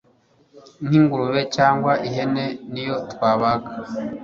nk’ingurube cyangwa ihene niyo twabaga